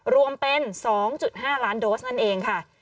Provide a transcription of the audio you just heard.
รวมเป็น๒๕ล้านโดสนั่นเองค่ะ